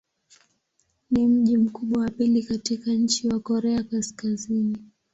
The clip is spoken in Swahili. Ni mji mkubwa wa pili katika nchi wa Korea Kaskazini.